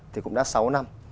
thì cũng đã sáu năm